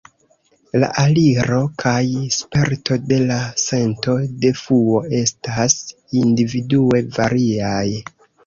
La aliro kaj sperto de la sento de fluo estas individue variaj.